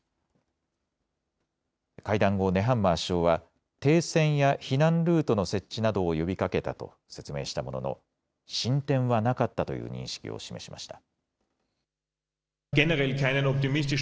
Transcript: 会談後、ネハンマー首相は停戦や避難ルートの設置などを呼びかけたと説明したものの進展はなかったという認識を示しました。